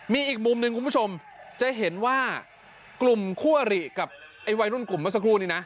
มีอีกมุมหนึ่งคุณผู้ชมจะเห็นว่ากลุ่มคู่อริกับไอ้วัยรุ่นกลุ่มเมื่อสักครู่นี้นะ